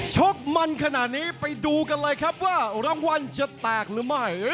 ชกมันขนาดนี้ไปดูกันเลยครับว่ารางวัลจะแตกหรือไม่